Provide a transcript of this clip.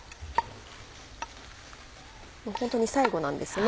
ホントに最後なんですね